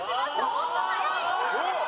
おっと速い！